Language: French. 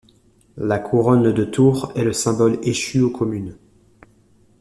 La couronne de tours est le symbole échu aux communes.